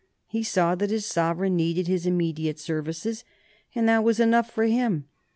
He saw that his sovereign needed his immediate services, and that was enough for him.